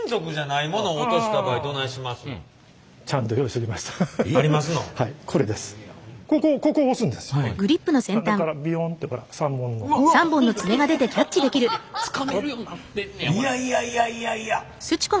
いやいやいやいやいや。